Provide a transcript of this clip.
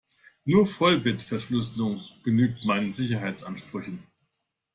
Nur Vollbitverschlüsselung genügt meinen Sicherheitsansprüchen.